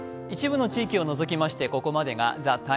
一部の地域を除きましてここまでが「ＴＨＥＴＩＭＥ’」。